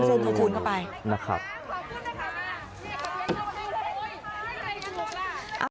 เออขอบคุณก่อนไปนะครับนะครับ